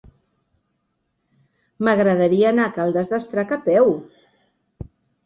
M'agradaria anar a Caldes d'Estrac a peu.